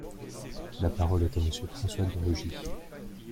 La parole est à Monsieur François de Rugy.